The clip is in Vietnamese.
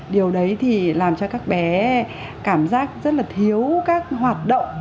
điều đấy thì làm cho các bé cảm giác rất là thiếu các hoạt động